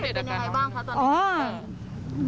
ที่เปลี่ยนเป็นอย่างไรบ้างค่ะตอนนี้